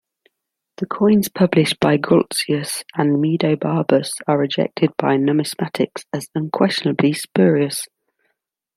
The coins published by Groltzius and Mediobarbus are rejected by Numismatics as unquestionably spurious.